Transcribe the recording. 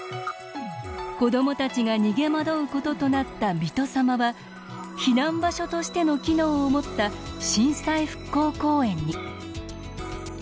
子どもたちが逃げ惑うこととなった水戸様は避難場所としての機能を持った震災復興公園に。